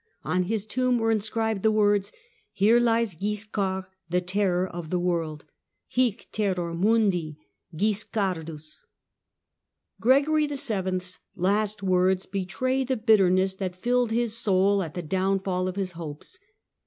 On his tomb were inscribed the words: "Here lies Guiscard, the terror of the world." {Hie terror Mundi Guiscardus.) Gregory VI I. 's last words betray the bitterness that filled his soul at the downfall of his hopes.